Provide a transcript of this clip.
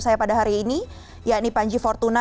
saya pada hari ini yakni panji fortuna